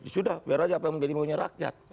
sudah biar aja apa yang menjadi maunya rakyat